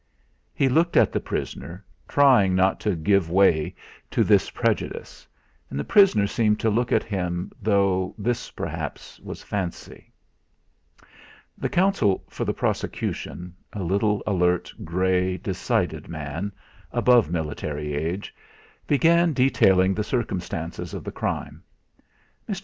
He looked at the prisoner, trying not to give way to this prejudice. And the prisoner seemed to look at him, though this, perhaps, was fancy. The Counsel for the prosecution, a little, alert, grey, decided man, above military age, began detailing the circumstances of the crime. Mr.